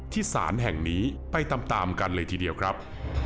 สารแห่งนี้ไปตามกันเลยทีเดียวครับ